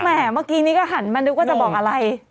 แม่เหล็กเมื่อกี้ก็หันมันคิดว่าจะบอกอะไร